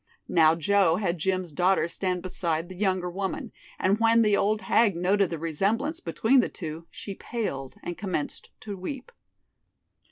Now Joe had Jim's daughter stand beside the younger woman, and when the old hag noted the resemblance between the two she paled and commenced to weep.